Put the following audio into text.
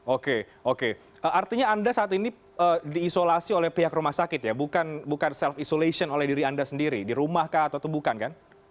oke oke artinya anda saat ini diisolasi oleh pihak rumah sakit ya bukan self isolation oleh diri anda sendiri di rumah kah atau bukan kan